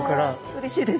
うれしいです。